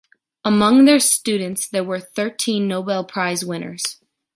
Among their students there were thirteen Nobel Prize winners.